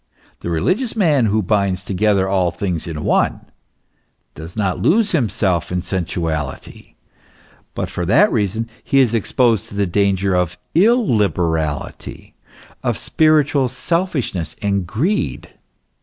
The religious man, who binds together all things in one, does not lose himself in sensuality ; but for that reason he is exposed to the danger of illiberality, of spiritual selfishness and greed.